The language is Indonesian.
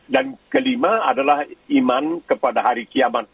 dan kelima adalah iman kepada hari kiamat